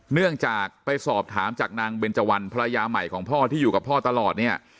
เนื่องจากไปสอบถามจากนางเบนเจวันภรรยาใหม่ของพ่อที่อยู่กับพ่อตลอดเนี่ย